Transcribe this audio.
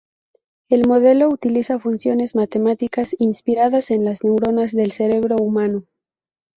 El modelo utiliza funciones matemáticas inspiradas en las neuronas del cerebro humano.